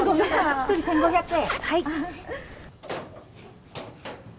一人１５００円。